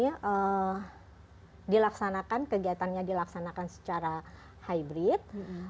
ini juga dilaksanakan kegiatannya dilaksanakan secara hybrid